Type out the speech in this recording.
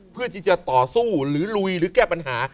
เพื่อที่จะต่อสู้หรือลุยหรือแก้ปัญหา